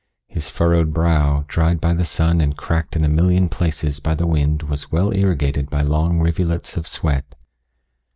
His furrowed brow, dried by the sun and cracked in a million places by the wind was well irrigated by long rivulets of sweat.